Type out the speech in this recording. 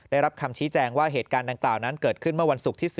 ได้รับคำชี้แจงว่าเหตุการณ์ดังกล่าวนั้นเกิดขึ้นเมื่อวันศุกร์ที่๔